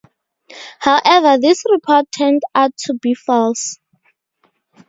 However, this report turned out to be false.